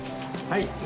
はい。